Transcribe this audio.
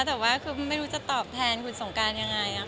แต่ว่าคือไม่รู้จะตอบแทนคุณสงการยังไง